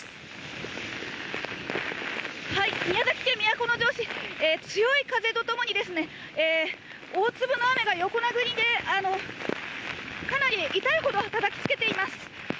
宮崎県都城市、強い風とともに大粒の雨が横殴りで、かなり痛いほどたたきつけています。